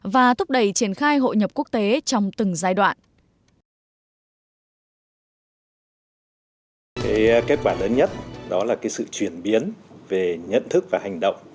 và thúc đẩy triển khai hội nhập quốc tế trong từng giai đoạn